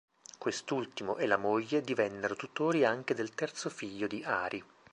Quest'ultimo e la moglie divennero tutori anche del terzo figlio di Ari.